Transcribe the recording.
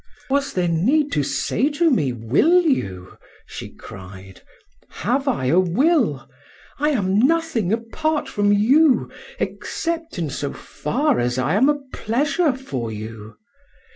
"Was there need to say to me: 'Will you'?" she cried. "Have I a will? I am nothing apart from you, except in so far as I am a pleasure for you.